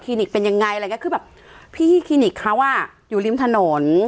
ที่นี่เป็นยังไงอะไรอย่างเงี้ยคือแบบพี่ที่นี่แคะว่าอยู่ลิมถนน